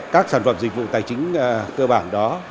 các sản phẩm dịch vụ tài chính cơ bản đó